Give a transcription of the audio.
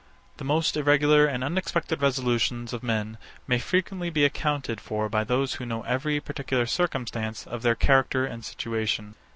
The most irregular and unexpected resolutions of men may frequently be accounted for by those who know every particular circumstance of their character and situation.